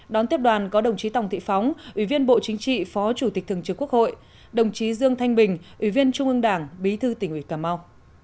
đón tiếp đoàn có đồng chí tòng thị phóng ủy viên bộ chính trị phó chủ tịch thường trực quốc hội đồng chí dương thanh bình ủy viên trung ương đảng bí thư tỉnh ủy cà mau